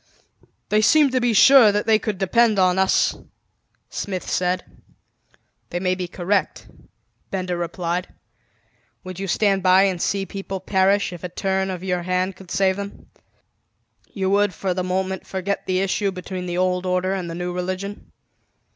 "They seem to be sure that they could depend on us," Smith said. "They may be correct," Benda replied. "Would you stand by and see people perish if a turn of your hand could save them? You would for the moment, forget the issue between the old order and the new religion."